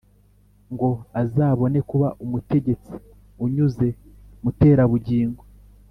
Ngo azabone kuba umutegetsi unyuze Muterabugingo.